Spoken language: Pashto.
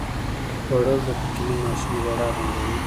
خوړل د کوچني ماشوم ژړا بنده وي